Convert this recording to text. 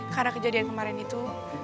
karena kejadian kemarin itu